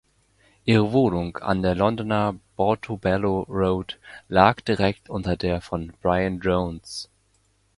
Ihre Wohnung an der Londoner Portobello Road lag direkt unter der von Brian Jones.